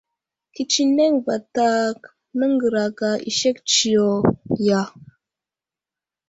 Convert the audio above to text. Kətsineŋ vatak nəŋgəraka i sek tsiyo ya ?